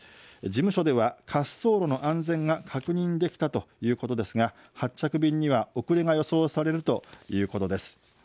事務所では滑走路の安全が確認できたということですが発着便には遅れが予想されるということです。